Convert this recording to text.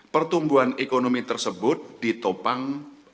pertumbuhan ekonomi tersebut ditopang oleh permintaan ekonomi indonesia